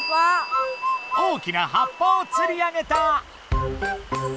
大きな葉っぱをつり上げた。